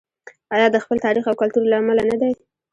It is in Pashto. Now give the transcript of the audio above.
آیا د خپل تاریخ او کلتور له امله نه دی؟